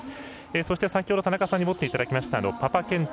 そして先ほど田中さんに持っていただきました、パパ検定